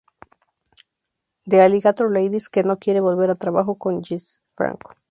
The Alligator Ladies", que no quiere volver a trabajar con Jess Franco.